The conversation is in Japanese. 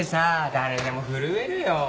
誰でも震えるよ。